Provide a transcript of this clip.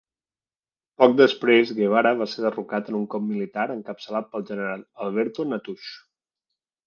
Poc després, Guevara va ser derrocat en un cop militar encapçalat pel general Alberto Natusch.